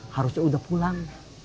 harusnya udah pulang